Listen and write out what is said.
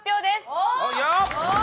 おっ！